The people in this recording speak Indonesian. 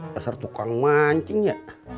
peserta tukang mancing ya